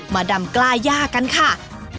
ดำกล้าย่ากันค่ะ